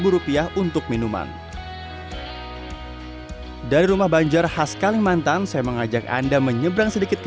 rupiah untuk minuman dari rumah banjar khas kalimantan saya mengajak anda menyeberang sedikit ke